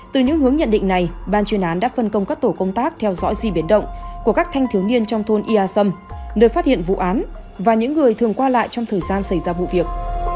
từ những hướng nhận định này ban chuyên án đã phân công các tổ công tác theo dõi di biến động của các thanh thiếu niên trong thôn ia sâm nơi phát hiện vụ án và những người thường qua lại trong thời gian xảy ra vụ việc